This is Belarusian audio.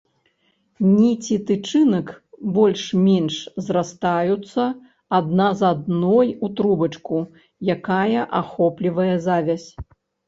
Ніці тычынак больш-менш зрастаюцца адна з адной у трубачку, якая ахоплівае завязь.